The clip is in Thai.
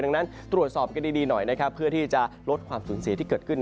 ดังนั้นตรวจสอบกันดีหน่อยเพื่อที่จะลดความสูญเสียที่เกิดขึ้น